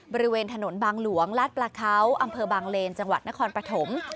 บริเวณถนนบางหลวงลาดปลาเขาอำเภอบางเลนจังหวัดนครปฐม